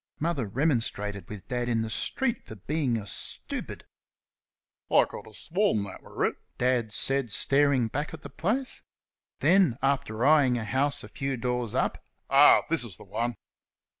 Mother remonstrated with Dad in the street for being "a stoopid." "I could 'a' sworn thet wer' it," Dad said, staring back at the place. Then, after eyeing a house a few doors up, "Ah! this is the one."